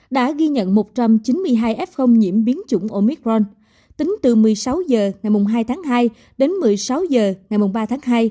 đã ghi nhận một trăm chín mươi hai f nhiễm biến chủng omicron tính từ một mươi sáu h ngày hai tháng hai đến một mươi sáu h ngày ba tháng hai